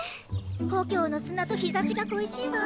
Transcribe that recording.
故郷の砂と日差しが恋しいわ。